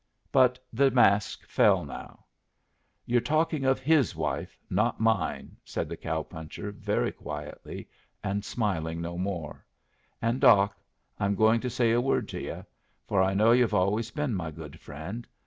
But the mask fell now. "You're talking of his wife, not mine," said the cow puncher very quietly, and smiling no more; "and, Doc, I'm going to say a word to yu', for I know yu've always been my good friend.